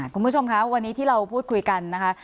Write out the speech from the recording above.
คุณผู้ชมคะวันนี้ที่เราพูดคุยกันนะคะ